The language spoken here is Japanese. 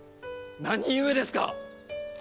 何故ですか？